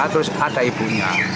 terus ada ibunya